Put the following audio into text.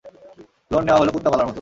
Loan নেওয়া হলো কুত্তা পালার মতো।